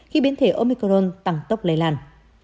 khi biến thể omicron tăng tốc lây lan